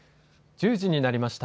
１０時になりました。